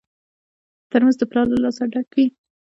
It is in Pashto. ترموز د پلار له لاسه ډک وي.